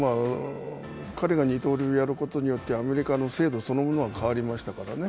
彼が二刀流やることによってアメリカの制度そのものが変わりましたからね。